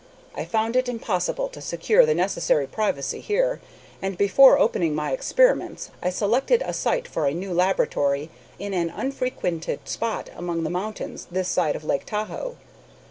I found it impossible to secure the necessary privacy here, and, before opening my experiments, I selected a site for a new laboratory in an unfrequented spot among the mountains this side of Lake Tahoe.